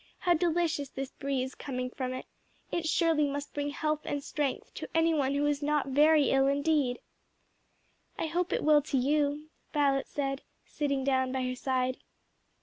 how delicious this breeze coming from it! it surely must bring health and strength to any one who is not very ill indeed!" "I hope it will to you," Violet said, sitting down by her side.